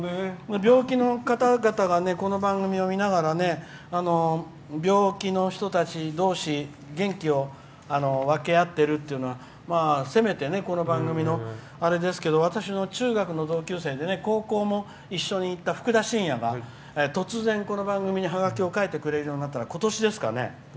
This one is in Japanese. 病気の方々はこの番組を見ながら病気の人たち同士元気を分け合ってるっていうのはせめてね、この番組の私の中学の同級生で高校も一緒に行ったふくだしんやが突然、この番組にハガキを書いてくれるようになったのことしですからね。